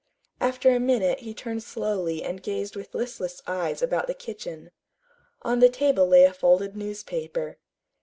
After a minute he turned slowly and gazed with listless eyes about the kitchen. On the table lay a folded newspaper.